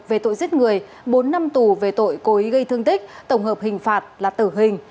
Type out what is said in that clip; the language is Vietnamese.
về tội giết người bốn năm tù về tội cố ý gây thương tích tổng hợp hình phạt là tử hình